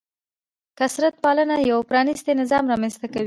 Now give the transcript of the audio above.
کثرت پالنه یو پرانیستی نظام رامنځته کوي.